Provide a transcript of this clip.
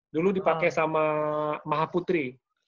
dulu dipake sama mahaputri